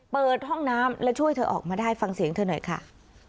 เปิดห้องน้ำและช่วยเธอออกมาได้ฟังเสียงเธอหน่อยค่ะ